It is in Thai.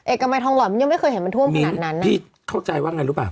เอกมัยทองหล่อนมันยังไม่เคยเห็นมันท่วมขนาดนั้นพี่เข้าใจว่าไงรู้ป่